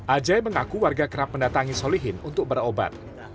ajai mengaku warga kerap mendatangi solihin untuk berobat